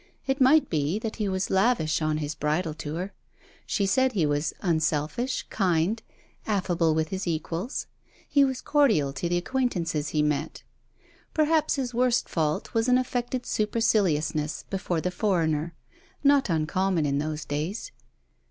It might be that he was lavish on his bridal tour. She said he was unselfish, kind, affable with his equals; he was cordial to the acquaintances he met. Perhaps his worst fault was an affected superciliousness before the foreigner, not uncommon in those days.